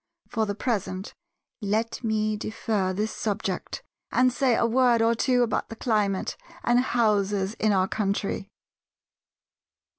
For the present let me defer this subject, and say a word or two about the climate and houses in our country.